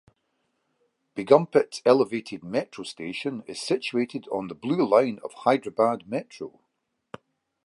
Begumpet elevated metro station is situated on the Blue Line of Hyderabad Metro.